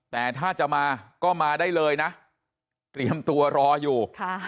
แต่ถ้าจะมาก็มาได้เลยนะเตรียมตัวรออยู่